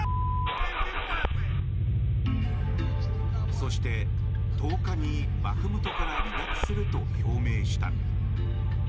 そして、１０日にバフムトから離脱すると表明した。